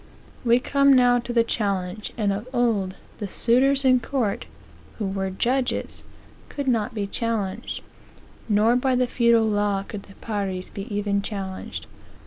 "We come now to the challenge: and of old the suitors in court, who were judge, could not he challenged; nor by the feudal law could the pares be even challenged.